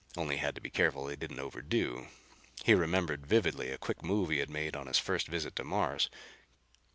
Only had to be careful they didn't overdo. He remembered vividly a quick move he had made on his first visit to Mars.